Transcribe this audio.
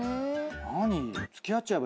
何？